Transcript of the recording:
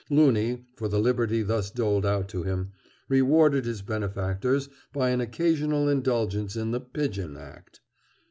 Loony, for the liberty thus doled out to him, rewarded his benefactors by an occasional indulgence in the "pigeon act."